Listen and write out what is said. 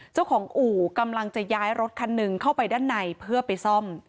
เจ้าของอู่กำลังจะย้ายรถคันหนึ่งเข้าไปด้านในเพื่อไปซ่อม